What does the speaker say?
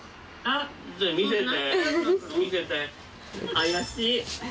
怪しい。